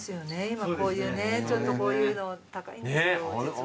今こういうねちょっとこういうの高いんですよ実は。